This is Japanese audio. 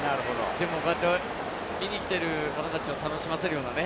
でもこうやって見に来ている方たちを楽しませるようなね。